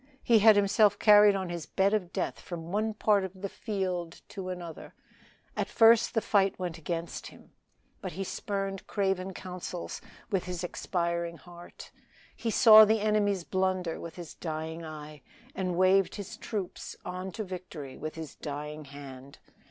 He had himself carried on his bed of death from one part of the field to another; at first the fight went against him, but he spurned craven counsels with his expiring heart; he saw the enemy's blunder with his dying eye, and waved his troops on to victory with his dying hand.